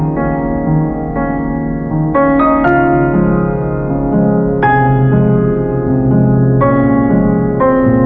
มีสัมพันธ์